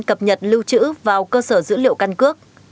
bộ công an cập nhật lưu trữ vào cơ sở dữ liệu căn cước